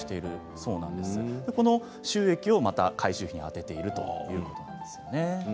その収益をまた改修費に充てているということです。